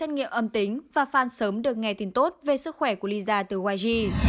các thành viên của blackpink đều xét nghiệm âm tính và fan sớm được nghe tin tốt về sức khỏe của lisa từ yg